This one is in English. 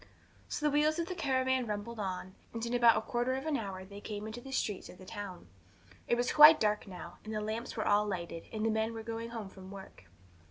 So the wheels of the caravan rumbled on, and in about a quarter of an hour they came into the streets of the town. It was quite dark now, and the lamps were all lighted, and the men were going home from work.